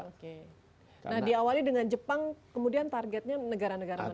nah diawali dengan jepang kemudian targetnya negara negara mana lagi pak